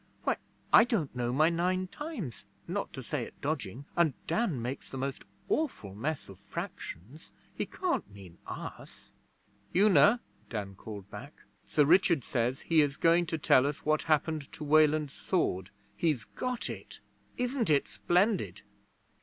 'Why, I don't know my Nine Times not to say it dodging, and Dan makes the most awful mess of fractions. He can't mean us!' 'Una!' Dan called back. 'Sir Richard says he is going to tell what happened to Weland's sword. He's got it. Isn't it splendid?'